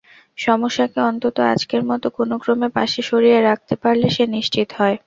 সমস্যাকে অন্তত আজকের মতো কোনোক্রমে পাশে সরিয়ে রাখতে পারলে সে নিশ্চিন্ত হয়।